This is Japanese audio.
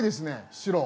白！